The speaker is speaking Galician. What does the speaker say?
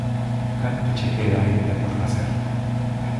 Canto che queda aínda por facer.